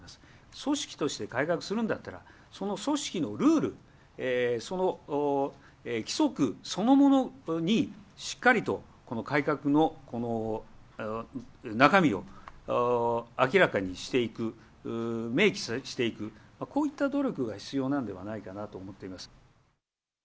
組織として改革するんだったら、その組織のルール、その規則そのものにしっかりとこの改革の中身を明らかにしていく、明記していく、こういった努力が必要なんではないかなと思っております。